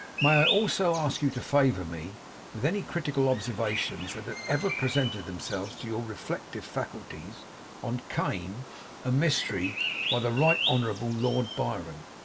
May I also ask you to favour me with any critical observations that have ever presented themselves to your reflective faculties, on "Cain, a Mystery," by the Right Honourable Lord Byron?